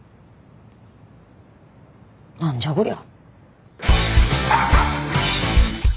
なんじゃこりゃ。